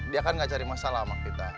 dia kan gak cari masalah sama kita